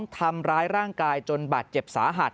ทำร้ายร่างกายจนบาดเจ็บสาหัส